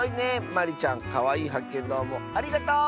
まりちゃんかわいいはっけんどうもありがとう！